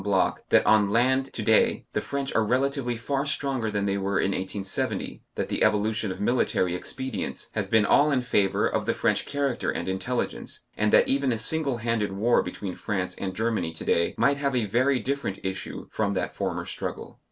Bloch that on land to day the French are relatively far stronger than they were in 1870, that the evolution of military expedients has been all in favour of the French character and intelligence, and that even a single handed war between France and Germany to day might have a very different issue from that former struggle.